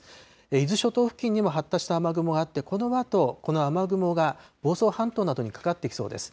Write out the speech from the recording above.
伊豆諸島付近にも発達した雨雲があって、このあと、この雨雲が房総半島などにかかっていきそうです。